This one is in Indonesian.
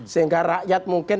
sehingga rakyat mungkin